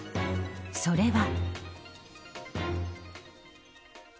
それは。